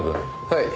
はい。